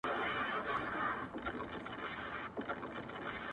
• حرص غالب سي عقل ولاړ سي مرور سي ,